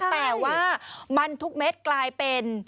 แต่ว่ามันทุกเม็ดกลายเป็น